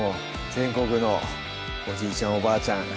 全国のおじいちゃん・おばあちゃん